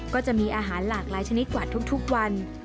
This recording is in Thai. ก็จะมีอาหารหลากหลายชนิดกว่าทุกวัน